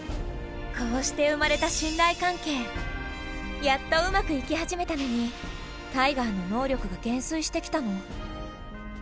こうして生まれたやっとうまくいき始めたのにタイガーの能力が減衰してきたの。